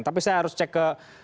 tapi saya harus cek ke